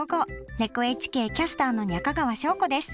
ＮＨＫキャスターの中川翔子です。